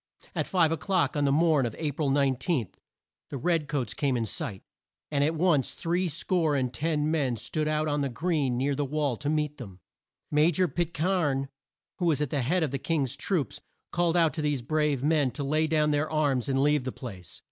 At five o'clock, on the morn of A pril 19, the red coats came in sight, and at once three score and ten men stood out on the green near the wall to meet them. Ma jor Pit cairn who was at the head of the King's troops called out to these brave men to lay down their arms and leave the place.